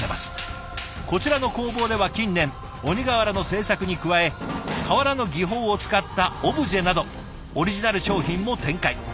こちらの工房では近年鬼瓦の制作に加え瓦の技法を使ったオブジェなどオリジナル商品も展開。